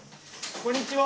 こんにちは。